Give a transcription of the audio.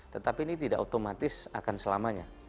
tetapi ini tidak otomatis akan selamanya